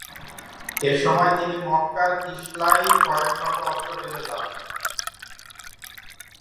এসময় তিনি মক্কার কিশলায় কয়েকশত অস্ত্র ফেলে যান।